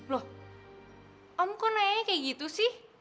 loh om kok nayanya kayak gitu sih